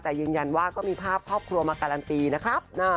แต่ยืนยันว่าก็มีภาพครอบครัวมาการันตีนะครับ